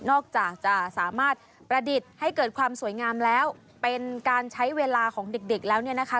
อกจากจะสามารถประดิษฐ์ให้เกิดความสวยงามแล้วเป็นการใช้เวลาของเด็กแล้วเนี่ยนะคะ